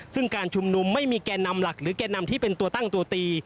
ซึ่งการชุมนุมไม่มีแก่นำหลักหรือแก่นำที่เป็นตัวตั้งตัวตี